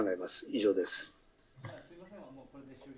以上です。